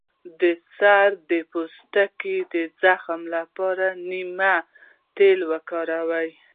د سر د پوستکي د زخم لپاره د نیم تېل وکاروئ